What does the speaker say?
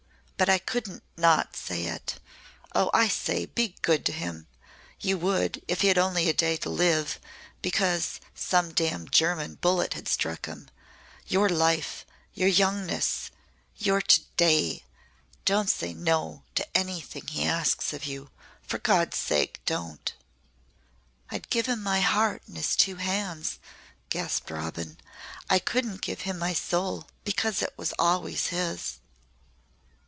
But I couldn't not say it! Oh, I say, be good to him! You would, if he had only a day to live because some damned German bullet had struck him. You're life you're youngness you're to day! Don't say 'No' to anything he asks of you for God's sake, don't." "I'd give him my heart in his two hands," gasped Robin. "I couldn't give him my soul because it was always his."